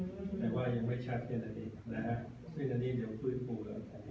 แต่ว่ายังไม่ชัดเซียนอันนี้นะฮะเซียนอันนี้เดี๋ยวฟื้นฟูแล้ว